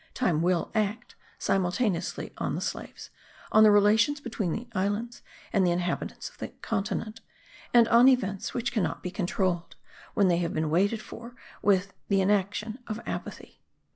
Time will act simultaneously on the slaves, on the relations between the islands and the inhabitants of the continent, and on events which cannot be controlled, when they have been waited for with the inaction of apathy.